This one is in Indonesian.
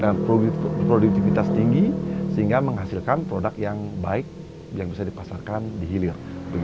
dengan produktivitas tinggi sehingga menghasilkan produk yang baik yang bisa dipasarkan di hilir